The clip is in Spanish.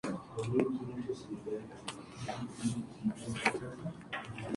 La victoria correspondió al bando conservador, siendo esta la primera derrota liberal.